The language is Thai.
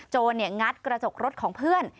โรงัดกระจกรถของเพื่อน